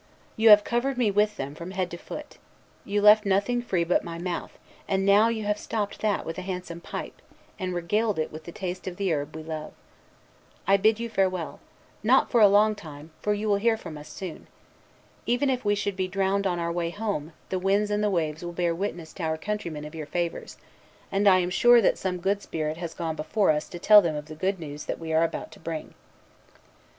You have covered me with them from head to foot. You left nothing free but my mouth; and now you have stopped that with a handsome pipe, and regaled it with the taste of the herb we love. I bid you farewell, not for a long time, for you will hear from us soon. Even if we should be drowned on our way home, the winds and the waves will bear witness to our countrymen of your favors; and I am sure that some good spirit has gone before us to tell them of the good news that we are about to bring."